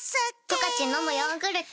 「十勝のむヨーグルト」